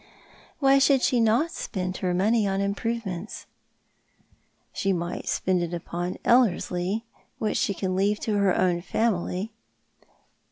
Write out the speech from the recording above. " Why should she not spend her money upon improve ments ?" "She might spend it upon Ellerslie, which she can leave to lier own family."